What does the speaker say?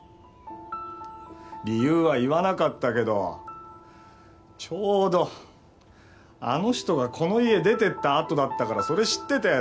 理由は言わなかったけどちょうどあの人がこの家出てったあとだったからそれ知ってた奴